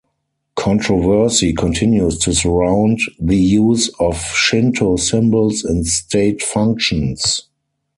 Controversy continues to surround the use of Shinto symbols in state functions.